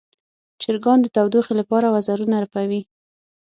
چرګان د تودوخې لپاره وزرونه رپوي.